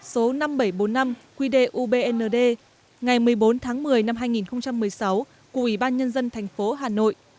số năm nghìn bảy trăm bốn mươi năm qdubnd ngày một mươi bốn tháng một mươi năm hai nghìn một mươi sáu của ủy ban nhân dân thành phố hà nội